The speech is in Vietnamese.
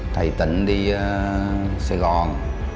thầy tịnh đi sài gòn